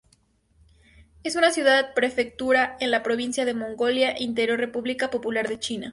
Es una ciudad-prefectura en la provincia de Mongolia Interior, República Popular de China.